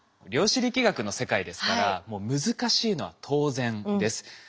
量子力学の世界ですからもう難しいのは当然です。